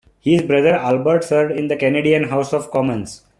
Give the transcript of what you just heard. His brother Albert served in the Canadian House of Commons.